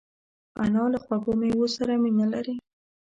انا له خوږو مېوو سره مینه لري